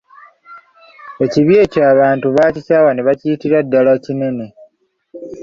Ekibi ekyo abantu baakikyawa ne bakiyitira ddala kinene.